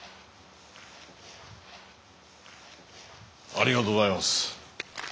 ありがとうございます。